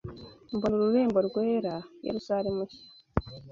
mbona ururembo rwera, Yerusalemu nshya,